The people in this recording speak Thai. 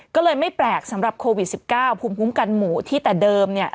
ก็เลยไม่แปลกสำหรับโควิด๑๙ภูมิคุ้มกันหมู่ที่แต่เดิมเนี่ย